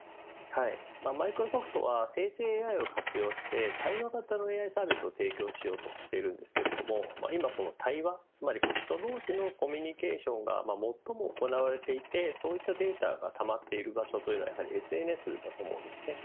マイクロソフトは生成ＡＩを活用して対話型のＡＩサービスを提供しようとしているが今、対話つまり人同士のコミュニケーションが最も行われていて、そういったデータがたまっている場所はやはりＳＮＳだと思います。